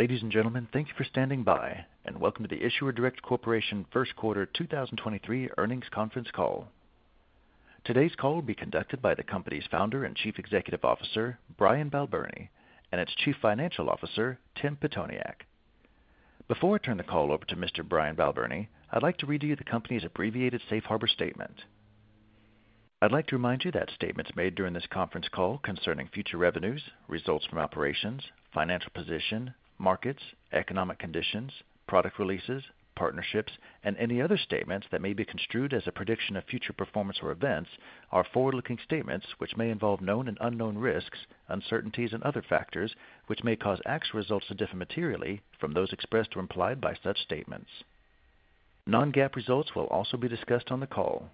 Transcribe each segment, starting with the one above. Ladies and gentlemen, thank you for standing by, and welcome to the Issuer Direct Corporation First Quarter 2023 Earnings Conference Call. Today's call will be conducted by the company's Founder and Chief Executive Officer, Brian Balbirnie, and its Chief Financial Officer, Timothy Pitoniak. Before I turn the call over to Mr. Brian Balbirnie, I'd like to read you the company's abbreviated safe harbor statement. I'd like to remind you that statements made during this conference call concerning future revenues, results from operations, financial position, markets, economic conditions, product releases, partnerships, and any other statements that may be construed as a prediction of future performance or events are forward-looking statements which may involve known and unknown risks, uncertainties and other factors, which may cause actual results to differ materially from those expressed or implied by such statements. Non-GAAP results will also be discussed on the call.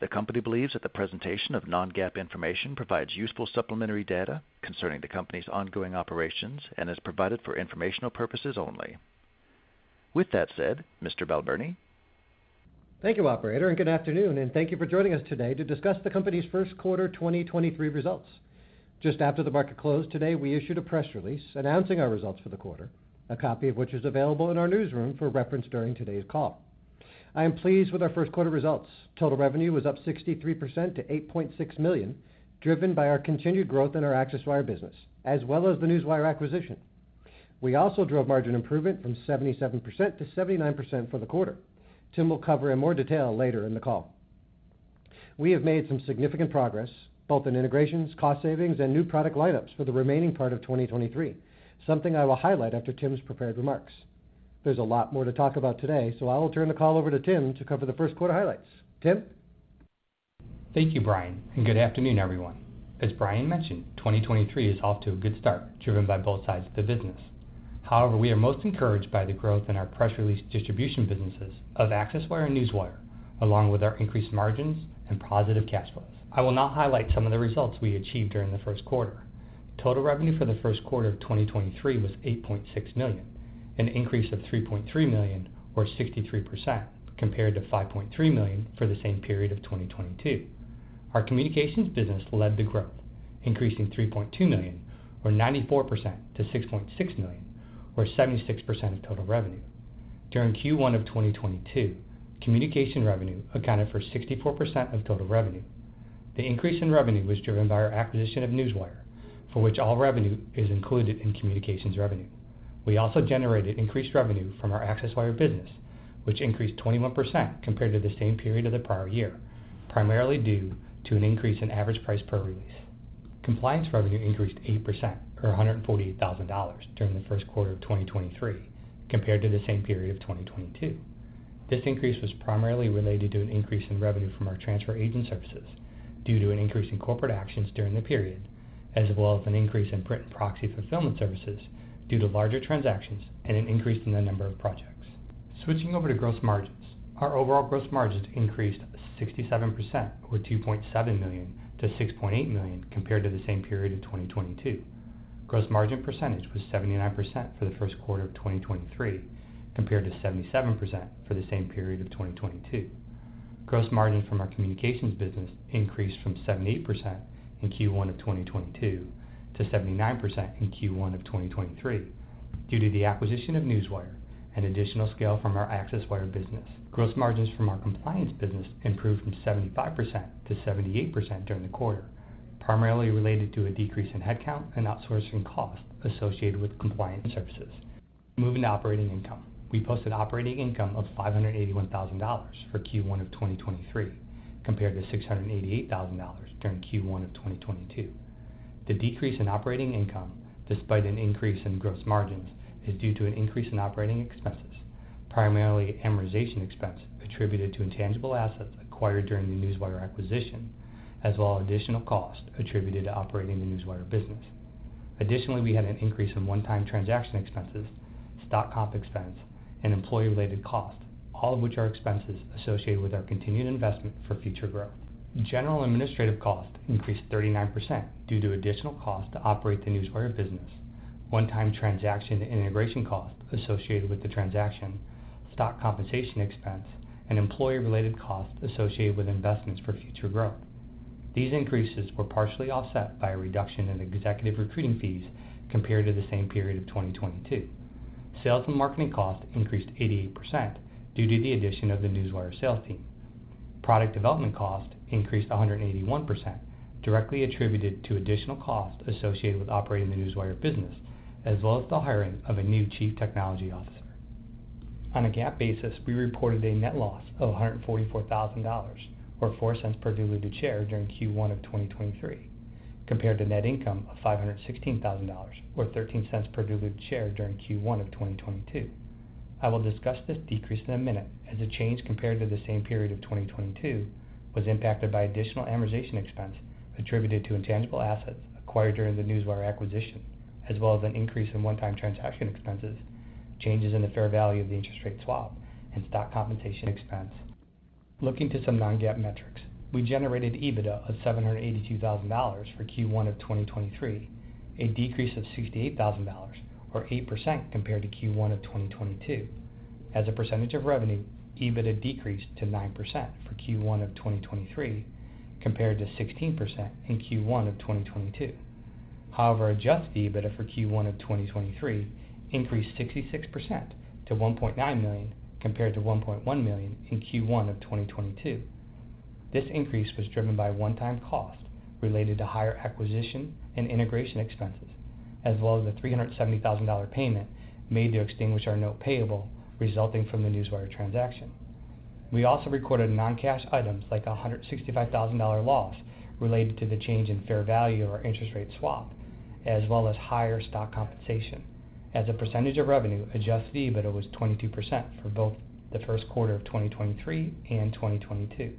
The company believes that the presentation of non-GAAP information provides useful supplementary data concerning the company's ongoing operations and is provided for informational purposes only. With that said, Mr. Balbirnie. Thank you, operator, good afternoon, and thank you for joining us today to discuss the company's first quarter 2023 results. Just after the market closed today, we issued a press release announcing our results for the quarter, a copy of which is available in our newsroom for reference during today's call. I am pleased with our first quarter results. Total revenue was up 63% to $8.6 million, driven by our continued growth in our ACCESSWIRE business, as well as the Newswire acquisition. We also drove margin improvement from 77% to 79% for the quarter. Tim will cover in more detail later in the call. We have made some significant progress both in integrations, cost savings, and new product lineups for the remaining part of 2023, something I will highlight after Tim's prepared remarks. There's a lot more to talk about today. I will turn the call over to Tim to cover the first quarter highlights. Tim. Thank you, Brian, and good afternoon, everyone. As Brian mentioned, 2023 is off to a good start, driven by both sides of the business. However, we are most encouraged by the growth in our press release distribution businesses of ACCESSWIRE and Newswire, along with our increased margins and positive cash flows. I will now highlight some of the results we achieved during the first quarter. Total revenue for the first quarter of 2023 was $8.6 million, an increase of $3.3 million or 63% compared to $5.3 million for the same period of 2022. Our communications business led the growth, increasing $3.2 million or 94% to $6.6 million, or 76% of total revenue. During Q1 of 2022, communication revenue accounted for 64% of total revenue. The increase in revenue was driven by our acquisition of Newswire, for which all revenue is included in communications revenue. We also generated increased revenue from our ACCESSWIRE business, which increased 21% compared to the same period of the prior year, primarily due to an increase in average price per release. Compliance revenue increased 8% or $148,000 during the first quarter of 2023 compared to the same period of 2022. This increase was primarily related to an increase in revenue from our transfer agent services due to an increase in corporate actions during the period, as well as an increase in print and proxy fulfillment services due to larger transactions and an increase in the number of projects. Switching over to gross margins. Our overall gross margins increased 67% or $2.7 million to $6.8 million compared to the same period in 2022. Gross margin percentage was 79% for the first quarter of 2023 compared to 77% for the same period of 2022. Gross margin from our communications business increased from 78% in Q1 of 2022 to 79% in Q1 of 2023 due to the acquisition of Newswire and additional scale from our ACCESSWIRE business. Gross margins from our compliance business improved from 75% to 78% during the quarter, primarily related to a decrease in headcount and outsourcing cost associated with compliance services. Moving to operating income. We posted operating income of $581,000 for Q1 of 2023 compared to $688,000 during Q1 of 2022. The decrease in operating income, despite an increase in gross margins, is due to an increase in operating expenses, primarily amortization expense attributed to intangible assets acquired during the Newswire acquisition, as well as additional cost attributed to operating the Newswire business. We had an increase in one-time transaction expenses, stock comp expense, and employee-related costs, all of which are expenses associated with our continued investment for future growth. General administrative costs increased 39% due to additional cost to operate the Newswire business, one-time transaction and integration costs associated with the transaction, stock compensation expense, and employee-related costs associated with investments for future growth. These increases were partially offset by a reduction in executive recruiting fees compared to the same period of 2022. Sales and marketing costs increased 88% due to the addition of the Newswire sales team. Product development costs increased 181%, directly attributed to additional costs associated with operating the Newswire business, as well as the hiring of a new chief technology officer. On a GAAP basis, we reported a net loss of $144,000 or $0.04 per diluted share during Q1 of 2023, compared to net income of $516,000 or $0.13 per diluted share during Q1 of 2022. I will discuss this decrease in a minute as the change compared to the same period of 2022 was impacted by additional amortization expense attributed to intangible assets acquired during the Newswire acquisition, as well as an increase in one-time transaction expenses, changes in the fair value of the interest rate swap, and stock compensation expense. Looking to some non-GAAP metrics. We generated EBITDA of $782,000 for Q1 of 2023, a decrease of $68,000 or 8% compared to Q1 of 2022. As a percentage of revenue, EBITDA decreased to 9% for Q1 of 2023 compared to 16% in Q1 of 2022. Adjusted EBITDA for Q1 of 2023 increased 66% to $1.9 million compared to $1.1 million in Q1 of 2022. This increase was driven by a one-time cost related to higher acquisition and integration expenses, as well as a $370,000 payment made to extinguish our note payable resulting from the Newswire transaction. We also recorded non-cash items like a $165,000 loss related to the change in fair value or interest rate swap, as well as higher stock compensation. As a percentage of revenue, adjusted EBITDA was 22% for both the first quarter of 2023 and 2022.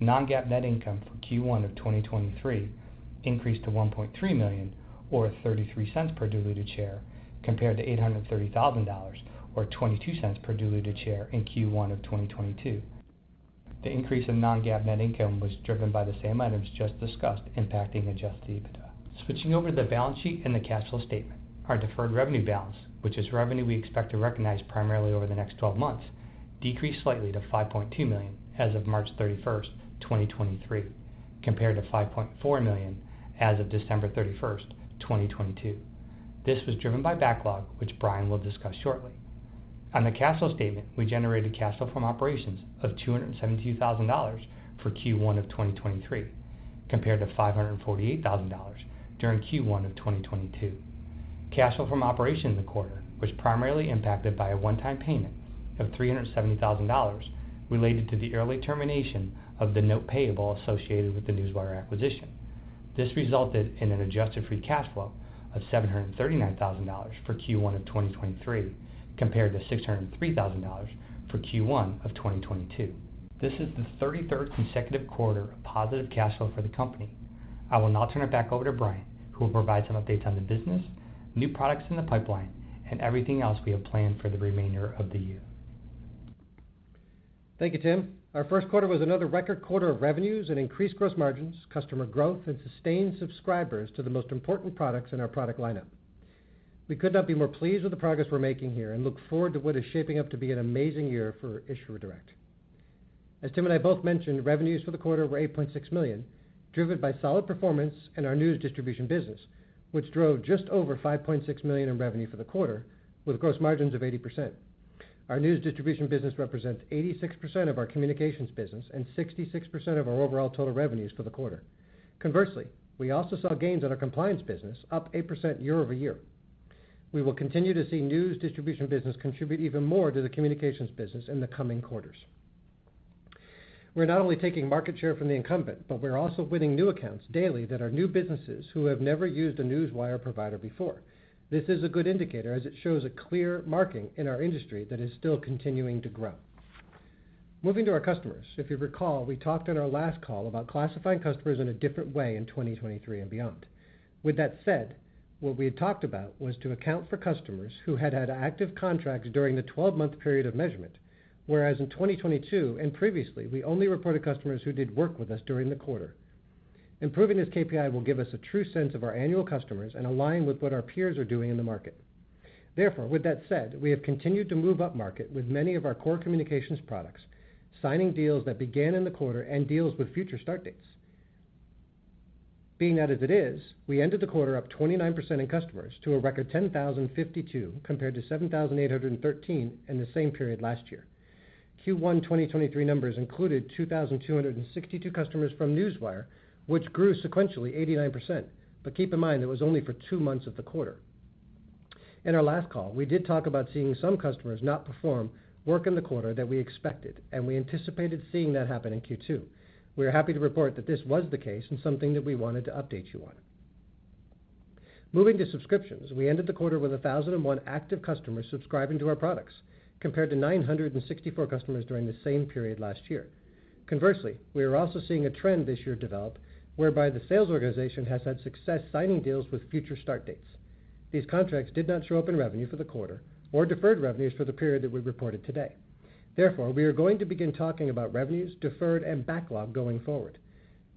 Non-GAAP net income for Q1 of 2023 increased to $1.3 million or $0.33 per diluted share compared to $830,000 or $0.22 per diluted share in Q1 of 2022. The increase in non-GAAP net income was driven by the same items just discussed impacting adjusted EBITDA. Switching over to the balance sheet and the cash flow statement. Our deferred revenue balance, which is revenue we expect to recognize primarily over the next 12 months, decreased slightly to $5.2 million as of March 31, 2023, compared to $5.4 million as of December 31, 2022. This was driven by backlog, which Brian will discuss shortly. On the cash flow statement, we generated cash flow from operations of $272,000 for Q1 of 2023, compared to $548,000 during Q1 of 2022. Cash flow from operations in the quarter was primarily impacted by a one-time payment of $370,000 related to the early termination of the note payable associated with the Newswire acquisition. This resulted in an adjusted free cash flow of $739,000 for Q1 of 2023, compared to $603,000 for Q1 of 2022. This is the 33rd consecutive quarter of positive cash flow for the company. I will now turn it back over to Brian, who will provide some updates on the business, new products in the pipeline, and everything else we have planned for the remainder of the year. Thank you, Tim. Our first quarter was another record quarter of revenues and increased gross margins, customer growth, and sustained subscribers to the most important products in our product lineup. We could not be more pleased with the progress we're making here and look forward to what is shaping up to be an amazing year for Issuer Direct. As Tim and I both mentioned, revenues for the quarter were $8.6 million, driven by solid performance in our news distribution business, which drove just over $5.6 million in revenue for the quarter with gross margins of 80%. Our news distribution business represents 86% of our communications business and 66% of our overall total revenues for the quarter. Conversely, we also saw gains in our compliance business, up 8% year-over-year. We will continue to see news distribution business contribute even more to the communications business in the coming quarters. We're not only taking market share from the incumbent, but we're also winning new accounts daily that are new businesses who have never used a newswire provider before. This is a good indicator as it shows a clear marking in our industry that is still continuing to grow. Moving to our customers, if you recall, we talked on our last call about classifying customers in a different way in 2023 and beyond. With that said, what we had talked about was to account for customers who had had active contracts during the 12-month period of measurement, whereas in 2022 and previously, we only reported customers who did work with us during the quarter. Improving this KPI will give us a true sense of our annual customers and align with what our peers are doing in the market. With that said, we have continued to move upmarket with many of our core communications products, signing deals that began in the quarter and deals with future start dates. Being that as it is, we ended the quarter up 29% in customers to a record 10,052 compared to 7,813 in the same period last year. Q1 2023 numbers included 2,262 customers from Newswire, which grew sequentially 89%. Keep in mind, it was only for two months of the quarter. In our last call, we did talk about seeing some customers not perform work in the quarter that we expected, and we anticipated seeing that happen in Q2. We are happy to report that this was the case and something that we wanted to update you on. Moving to subscriptions, we ended the quarter with 1,001 active customers subscribing to our products, compared to 964 customers during the same period last year. Conversely, we are also seeing a trend this year develop whereby the sales organization has had success signing deals with future start dates. These contracts did not show up in revenue for the quarter or deferred revenues for the period that we reported today. We are going to begin talking about revenues, deferred, and backlog going forward.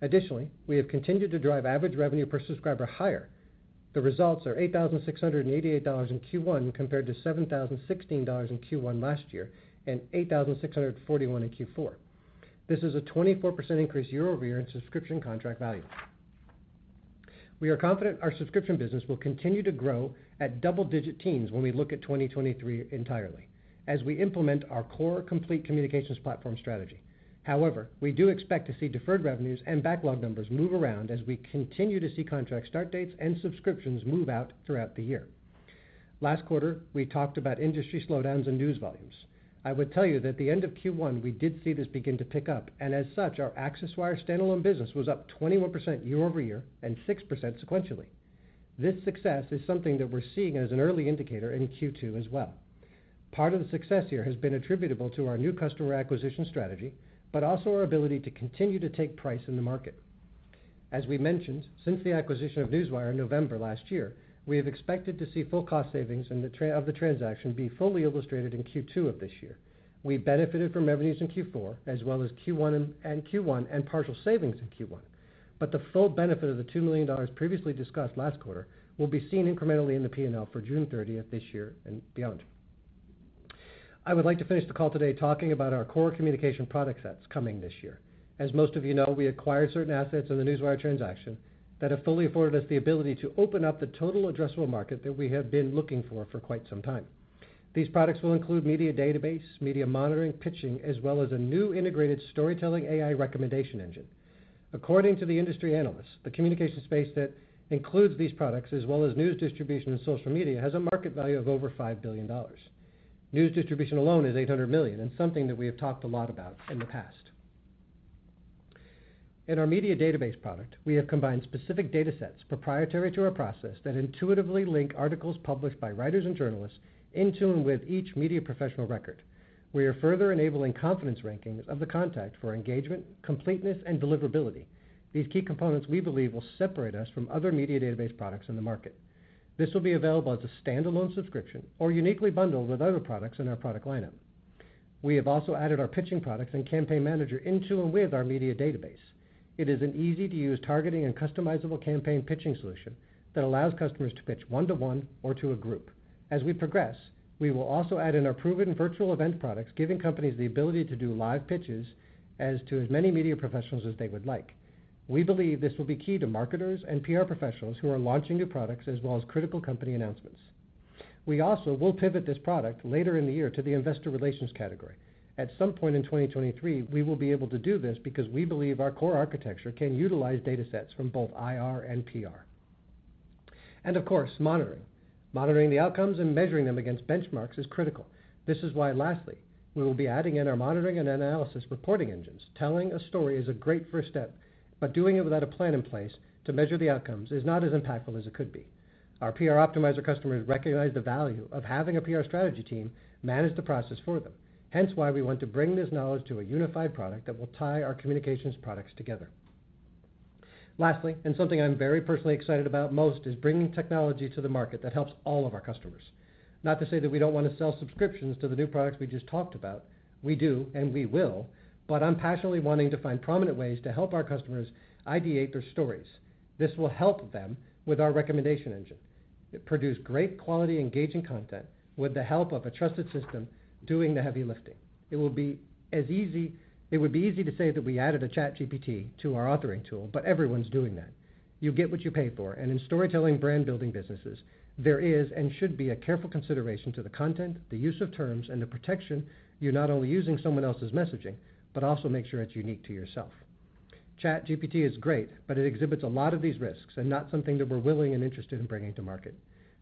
Additionally, we have continued to drive average revenue per subscriber higher. The results are $8,688 in Q1 compared to $7,016 in Q1 last year and $8,641 in Q4. This is a 24% increase year-over-year in subscription contract value. We are confident our subscription business will continue to grow at double-digit teens when we look at 2023 entirely as we implement our core complete communications platform strategy. However, we do expect to see deferred revenues and backlog numbers move around as we continue to see contract start dates and subscriptions move out throughout the year. Last quarter, we talked about industry slowdowns and news volumes. I would tell you that at the end of Q1, we did see this begin to pick up, and as such, our ACCESSWIRE standalone business was up 21% year-over-year and 6% sequentially. This success is something that we're seeing as an early indicator in Q2 as well. Part of the success here has been attributable to our new customer acquisition strategy, but also our ability to continue to take price in the market. As we mentioned, since the acquisition of Newswire in November last year, we have expected to see full cost savings in the of the transaction be fully illustrated in Q2 of this year. We benefited from revenues in Q4 as well as Q1 and Q1 and partial savings in Q1. But the full benefit of the $2 million previously discussed last quarter will be seen incrementally in the P&L for June 30th this year and beyond. I would like to finish the call today talking about our core communication product sets coming this year. As most of you know, we acquired certain assets in the Newswire transaction that have fully afforded us the ability to open up the total addressable market that we have been looking for quite some time. These products will include media database, media monitoring, pitching, as well as a new integrated storytelling AI recommendation engine. According to the industry analysts, the communication space that includes these products as well as news distribution and social media, has a market value of over $5 billion. News distribution alone is $800 million and something that we have talked a lot about in the past. In our media database product, we have combined specific datasets proprietary to our process that intuitively link articles published by writers and journalists into and with each media professional record. We are further enabling confidence rankings of the contact for engagement, completeness, and deliverability. These key components, we believe, will separate us from other media database products in the market. This will be available as a standalone subscription or uniquely bundled with other products in our product lineup. We have also added our pitching products and campaign manager into and with our media database. It is an easy-to-use targeting and customizable campaign pitching solution that allows customers to pitch one-to-one or to a group. As we progress, we will also add in our proven virtual event products, giving companies the ability to do live pitches as to as many media professionals as they would like. We believe this will be key to marketers and PR professionals who are launching new products as well as critical company announcements. We also will pivot this product later in the year to the investor relations c`ategory. At some point in 2023, we will be able to do this because we believe our core architecture can utilize datasets from both IR and PR. Of course, monitoring. Monitoring the outcomes and measuring them against benchmarks is critical. This is why, lastly, we will be adding in our monitoring and analysis reporting engines. Telling a story is a great first step, but doing it without a plan in place to measure the outcomes is not as impactful as it could be. Our PR Optimizer customers recognize the value of having a PR strategy team manage the process for them. Hence why we want to bring this knowledge to a unified product that will tie our communications products together. Lastly, something I'm very personally excited about most is bringing technology to the market that helps all of our customers. Not to say that we don't want to sell subscriptions to the new products we just talked about. We do, and we will. I'm passionately wanting to find prominent ways to help our customers ideate their stories. This will help them with our recommendation engine. It produced great quality, engaging content with the help of a trusted system doing the heavy lifting. It would be easy to say that we added a ChatGPT to our authoring tool. Everyone's doing that. You get what you pay for. In storytelling, brand building businesses, there is and should be a careful consideration to the content, the use of terms, and the protection you're not only using someone else's messaging, but also make sure it's unique to yourself. ChatGPT is great, but it exhibits a lot of these risks and not something that we're willing and interested in bringing to market.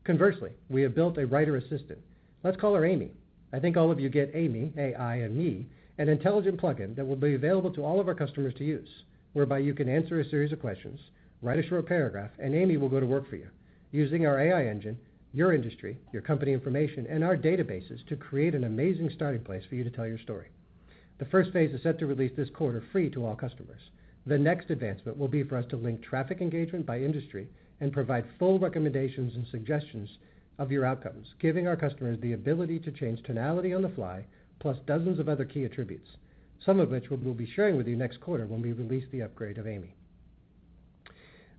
Conversely, we have built a writer assistant. Let's call her Amy. I think all of you get Amy, AI and me, an intelligent plugin that will be available to all of our customers to use, whereby you can answer a series of questions, write a short paragraph, and Amy will go to work for you using our AI engine, your industry, your company information, and our databases to create an amazing starting place for you to tell your story. The first phase is set to release this quarter free to all customers. The next advancement will be for us to link traffic engagement by industry and provide full recommendations and suggestions of your outcomes, giving our customers the ability to change tonality on the fly, plus dozens of other key attributes, some of which we'll be sharing with you next quarter when we release the upgrade of AImee.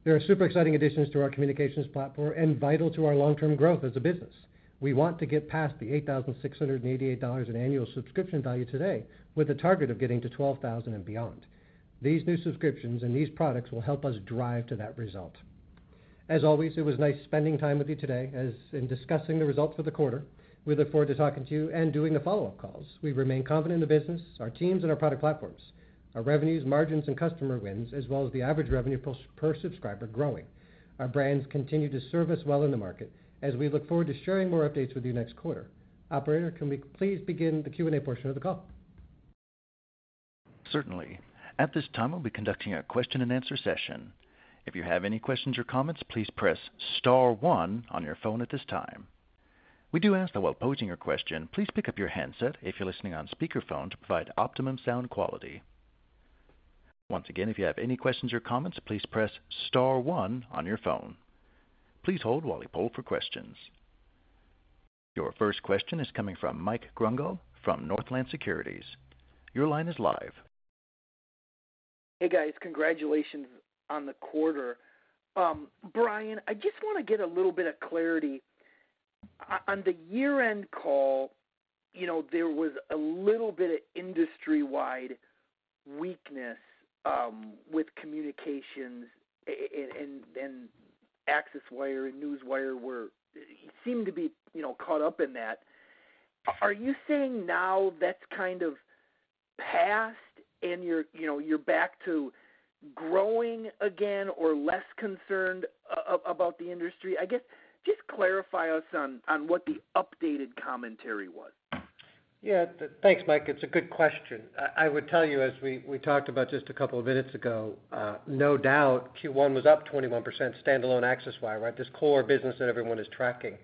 There are super exciting additions to our communications platform and vital to our long-term growth as a business. We want to get past the $8,688 in annual subscription value today with a target of getting to $12,000 and beyond. These new subscriptions and these products will help us drive to that result. As always, it was nice spending time with you today as in discussing the results for the quarter. We look forward to talking to you and doing the follow-up calls. We remain confident in the business, our teams, and our product platforms. Our revenues, margins, and customer wins, as well as the average revenue per subscriber growing. Our brands continue to serve us well in the market as we look forward to sharing more updates with you next quarter. Operator, can we please begin the Q&A portion of the call? Certainly. At this time, we'll be conducting a question and answer session. If you have any questions or comments, please press star one on your phone at this time. We do ask that while posing your question, please pick up your handset if you're listening on speakerphone to provide optimum sound quality. Once again, if you have any questions or comments, please press star one on your phone. Please hold while we poll for questions. Your first question is coming from Mike Grondahl from Northland Securities. Your line is live. Hey, guys. Congratulations on the quarter. Brian, I just want to get a little bit of clarity. On the year-end call, you know, there was a little bit of industry-wide weakness with communications and ACCESSWIRE and Newswire were seemed to be, you know, caught up in that. Are you saying now that's kind of passed and you're, you know, you're back to growing again or less concerned about the industry? I guess, just clarify us on what the updated commentary was. Yeah. Thanks, Mike. It's a good question. I would tell you as we talked about just a couple of minutes ago, no doubt Q1 was up 21% standalone ACCESSWIRE, right? This core business that everyone is tracking.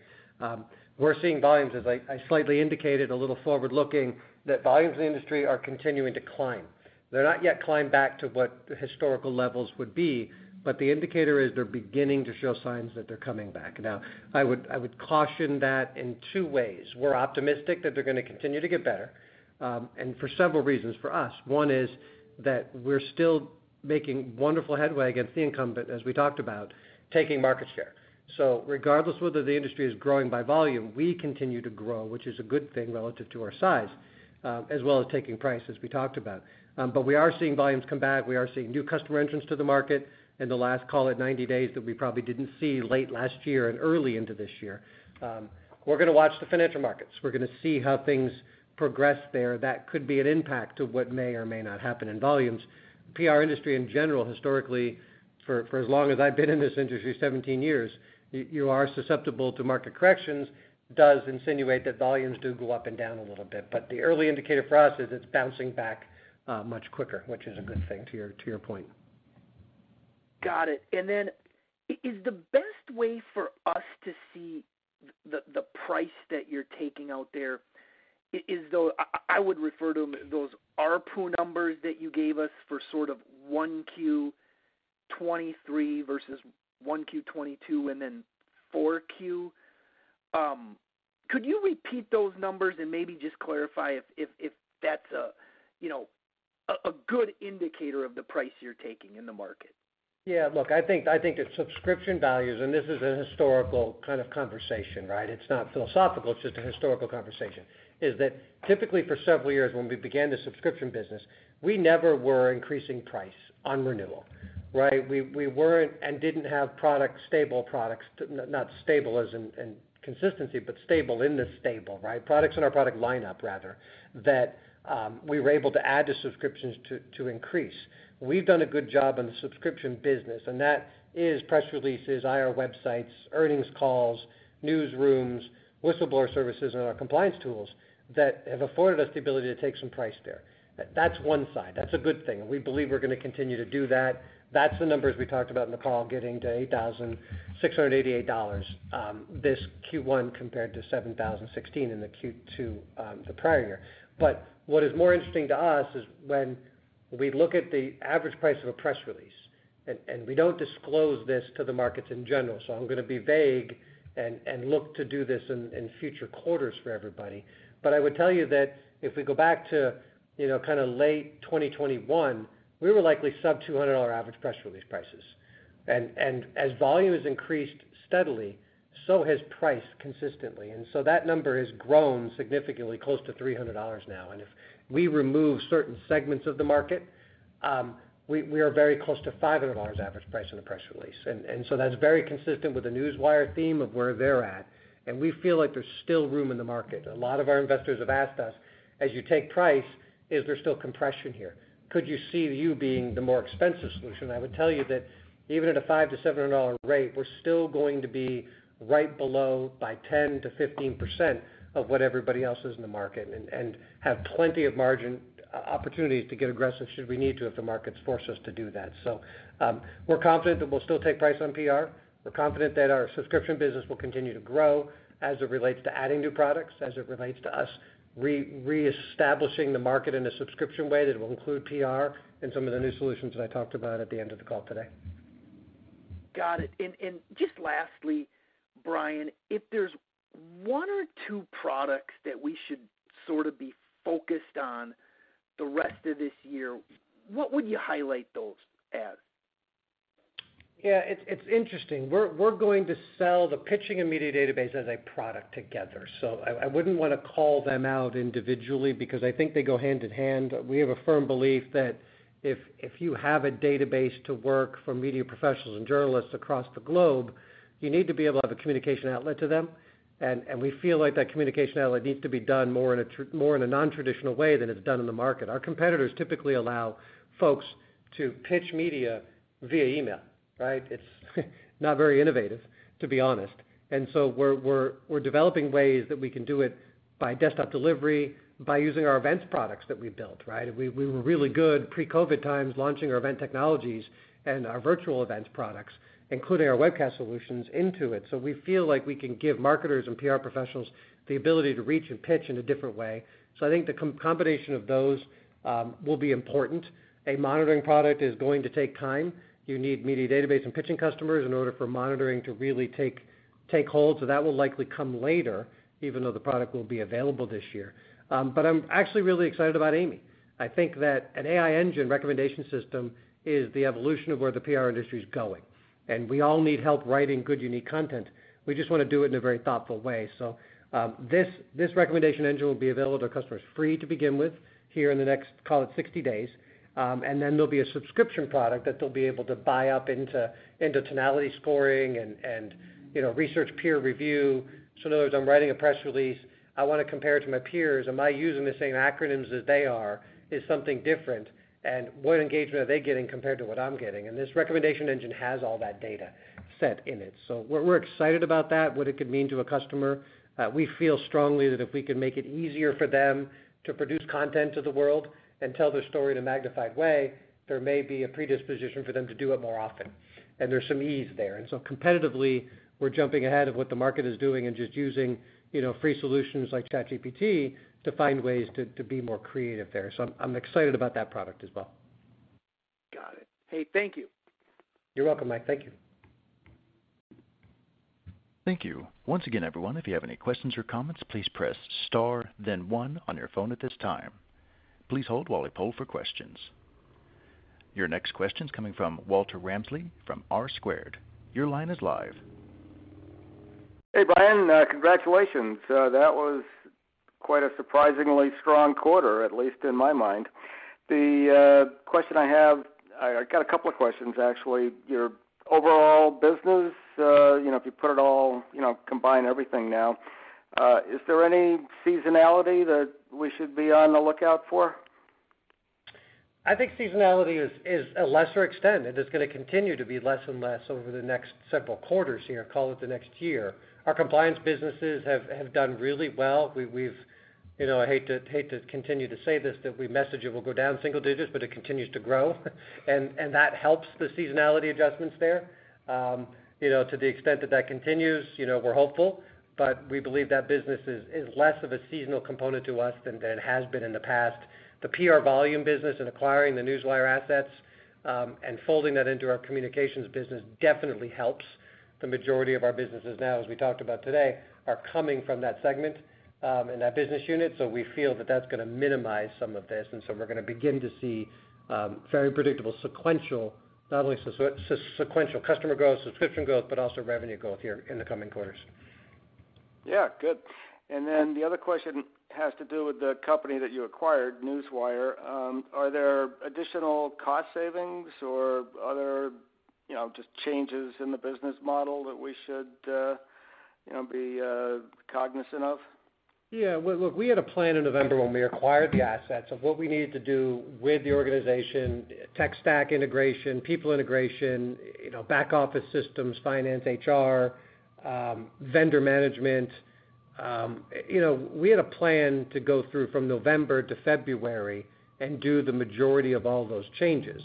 We're seeing volumes, as I slightly indicated a little forward-looking, that volumes in the industry are continuing to climb. They're not yet climbed back to what the historical levels would be, but the indicator is they're beginning to show signs that they're coming back. I would caution that in two ways. We're optimistic that they're gonna continue to get better, and for several reasons for us. One is that we're still making wonderful headway against the incumbent, as we talked about, taking market share. Regardless of whether the industry is growing by volume, we continue to grow, which is a good thing relative to our size, as well as taking price, as we talked about. We are seeing volumes come back. We are seeing new customer entrance to the market in the last, call it, 90 days that we probably didn't see late last year and early into this year. We're gonna watch the financial markets. We're gonna see how things progress there. That could be an impact to what may or may not happen in volumes. PR industry in general, historically, for as long as I've been in this industry, 17 years, you are susceptible to market corrections, does insinuate that volumes do go up and down a little bit. The early indicator for us is it's bouncing back much quicker, which is a good thing, to your point. Got it. Is the best way for us to see the price that you're taking out there is, though I would refer to them, those ARPU numbers that you gave us for sort of 1Q 2023 versus 1Q 2022 and then 4Q. Could you repeat those numbers and maybe just clarify if that's a, you know, a good indicator of the price you're taking in the market? Look, I think it's subscription values. This is a historical kind of conversation, right? It's not philosophical, it's just a historical conversation, is that typically for several years when we began the subscription business, we never were increasing price on renewal, right? We weren't and didn't have product, stable products. Not stable as in consistency, but stable in the stable, right? Products in our product lineup rather, that, we were able to add to subscriptions to increase. We've done a good job on the subscription business, and that is press releases, IR websites, earnings calls, newsrooms, whistleblower services, and our compliance tools that have afforded us the ability to take some price there. That's one side. That's a good thing. We believe we're gonna continue to do that. That's the numbers we talked about in the call, getting to $8,688 this Q1 compared to $7,016 in the Q2 the prior year. What is more interesting to us is when we look at the average price of a press release, and we don't disclose this to the markets in general, so I'm gonna be vague and look to do this in future quarters for everybody. I would tell you that if we go back to, you know, kinda late 2021, we were likely sub $200 average press release prices. As volume has increased steadily, so has price consistently. That number has grown significantly close to $300 now. If we remove certain segments of the market, we are very close to $500 average price on a press release. That's very consistent with the ACCESSWIRE theme of where they're at, and we feel like there's still room in the market. A lot of our investors have asked us, as you take price, is there still compression here? Could you see you being the more expensive solution? I would tell you that even at a $500-$700 rate, we're still going to be right below by 10%-15% of what everybody else is in the market and have plenty of margin opportunities to get aggressive should we need to if the markets force us to do that. We're confident that we'll still take price on PR. We're confident that our subscription business will continue to grow as it relates to adding new products, as it relates to us reestablishing the market in a subscription way that will include PR and some of the new solutions that I talked about at the end of the call today. Got it. Just lastly, Brian, if there's one or two products that we should sort of be focused on the rest of this year, what would you highlight those as? Yeah. It's interesting. We're going to sell the pitching and media database as a product together. I wouldn't wanna call them out individually because I think they go hand in hand. We have a firm belief that if you have a database to work for media professionals and journalists across the globe, you need to be able to have a communication outlet to them, and we feel like that communication outlet needs to be done more in a non-traditional way than it's done in the market. Our competitors typically allow folks to pitch media via email, right? It's not very innovative, to be honest. We're developing ways that we can do it by desktop delivery, by using our events products that we built, right? We were really good pre-COVID times launching our event technologies and our virtual events products, including our webcast solutions into it. We feel like we can give marketers and PR professionals the ability to reach and pitch in a different way. I think the combination of those will be important. A monitoring product is going to take time. You need media database and pitching customers in order for monitoring to really take hold. That will likely come later, even though the product will be available this year. But I'm actually really excited about AImee. I think that an AI engine recommendation system is the evolution of where the PR industry's going, and we all need help writing good, unique content. We just wanna do it in a very thoughtful way. This recommendation engine will be available to customers free to begin with here in the next, call it 60 days. Then there'll be a subscription product that they'll be able to buy up into tonality scoring and, you know, research peer review. In other words, I'm writing a press release. I wanna compare it to my peers. Am I using the same acronyms as they are? Is something different? What engagement are they getting compared to what I'm getting? This recommendation engine has all that data set in it. We're excited about that, what it could mean to a customer. We feel strongly that if we can make it easier for them to produce content to the world and tell their story in a magnified way, there may be a predisposition for them to do it more often. There's some ease there. Competitively, we're jumping ahead of what the market is doing and just using, you know, free solutions like ChatGPT to find ways to be more creative there. I'm excited about that product as well. Got it. Hey, thank you. You're welcome, Mike. Thank you. Thank you. Once again, everyone, if you have any questions or comments, please press star then one on your phone at this time. Please hold while we poll for questions. Your next question's coming from Walter Ramsley from R-Squared. Your line is live. Hey, Brian. Congratulations. That was quite a surprisingly strong quarter, at least in my mind. The question I got a couple of questions, actually. Your overall business, you know, if you put it all, you know, combine everything now, is there any seasonality that we should be on the lookout for? I think seasonality is a lesser extent. It is gonna continue to be less and less over the next several quarters here, call it the next year. Our compliance businesses have done really well. We've You know, I hate to continue to say this, that we message it will go down single digits, but it continues to grow. And that helps the seasonality adjustments there. You know, to the extent that that continues, you know, we're hopeful, but we believe that business is less of a seasonal component to us than it has been in the past. The PR volume business and acquiring the Newswire assets, and folding that into our communications business definitely helps. The majority of our businesses now, as we talked about today, are coming from that segment, and that business unit. We feel that that's gonna minimize some of this, we're gonna begin to see, very predictable sequential, not only sequential customer growth, subscription growth, but also revenue growth here in the coming quarters. Yeah. Good. Then the other question has to do with the company that you acquired, Newswire. Are there additional cost savings or other, you know, just changes in the business model that we should, you know, be cognizant of? Yeah. Well, look, we had a plan in November when we acquired the assets of what we needed to do with the organization, tech stack integration, people integration, you know, back office systems, finance, HR, vendor management. You know, we had a plan to go through from November to February and do the majority of all those changes.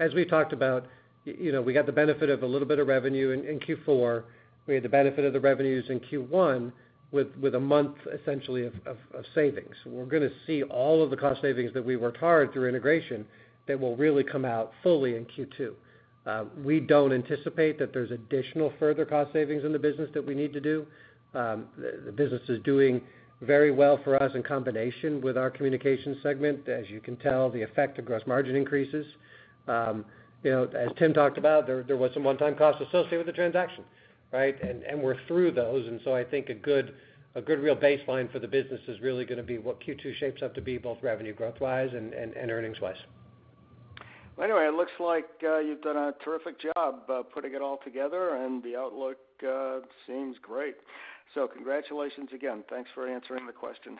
As we talked about, you know, we got the benefit of a little bit of revenue in Q4. We had the benefit of the revenues in Q1 with a month essentially of savings. We're gonna see all of the cost savings that we worked hard through integration that will really come out fully in Q2. We don't anticipate that there's additional further cost savings in the business that we need to do. The business is doing very well for us in combination with our communication segment. As you can tell, the effect of gross margin increases. You know, as Tim talked about, there was some one-time costs associated with the transaction, right? We're through those. I think a good real baseline for the business is really gonna be what Q2 shapes up to be, both revenue growthwise and earningswise. Well, anyway, it looks like, you've done a terrific job, putting it all together and the outlook, seems great. Congratulations again. Thanks for answering the questions.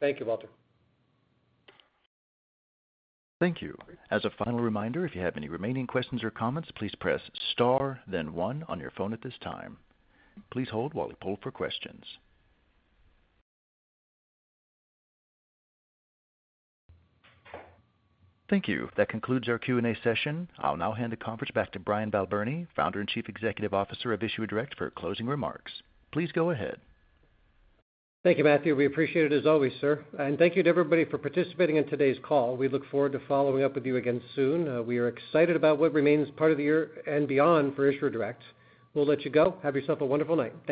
Thank you, Walter. Thank you. As a final reminder, if you have any remaining questions or comments, please press star then one on your phone at this time. Please hold while we poll for questions. Thank you. That concludes our Q&A session. I'll now hand the conference back to Brian Balbirnie, Founder and Chief Executive Officer of Issuer Direct for closing remarks. Please go ahead. Thank you, Matthew. We appreciate it as always, sir. Thank you to everybody for participating in today's call. We look forward to following up with you again soon. We are excited about what remains part of the year and beyond for Issuer Direct. We'll let you go. Have yourself a wonderful night. Thank you.